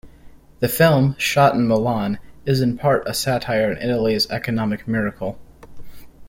The film, shot in Milan, is in part a satire on Italy's economic miracle.